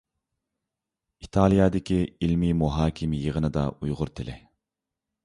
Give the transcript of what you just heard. ئىتالىيەدىكى ئىلمىي مۇھاكىمە يىغىنىدا ئۇيغۇر تىلى.